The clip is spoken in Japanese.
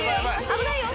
危ないよ。